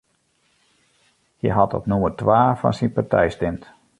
Hy hat op nûmer twa fan syn partij stimd.